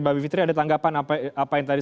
mbak bivitri ada tanggapan apa yang tadi